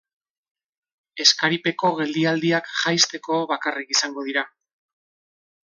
Eskaripeko geldialdiak jaisteko bakarrik izango dira.